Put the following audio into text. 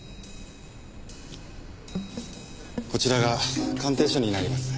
こちらが鑑定書になります。